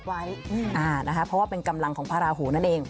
เพราะว่าเป็นกำลังของพระราหูนั่นเอง